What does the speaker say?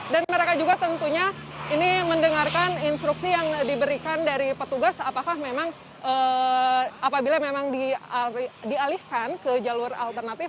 dan mereka juga tentunya ini mendengarkan instruksi yang diberikan dari petugas apakah memang apabila memang dialihkan ke jalur alternatif